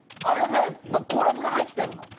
コーラスが入ってるの。